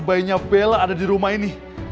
bayinya bella ada di rumah ini